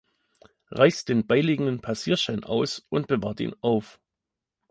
Reißt den beiliegenden Passierschein aus und bewahrt ihn auf.